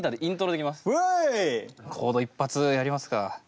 コード一発やりますか。